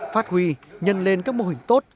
phát huy nhân lên các mô hình tốt